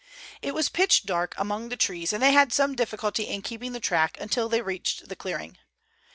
It was pitch dark among the trees, and they had some difficulty in keeping the track until they reached the clearing.